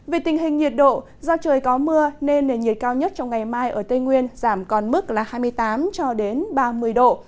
về tình hình nhiệt độ do trời có mưa nên nền nhiệt cao nhất trong ngày mai ở tây nguyên giảm còn mức hai mươi tám ba mươi độ